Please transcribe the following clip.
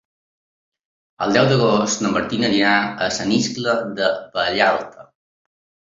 El deu d'agost na Martina anirà a Sant Iscle de Vallalta.